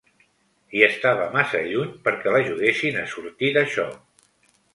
I estava massa lluny perquè l'ajudessin a sortir d'això.